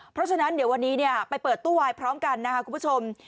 เพราะฉะนั้นเดี๋ยววันนี้ไปเปิดตู้วายพร้อมกันนะครับคุณผู้ชม